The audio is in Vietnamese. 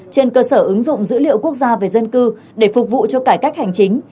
trên cơ sở ứng dụng dữ liệu quốc gia về dân cư để phục vụ cho cải cách hành chính